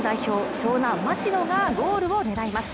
湘南・町野がゴールを狙います。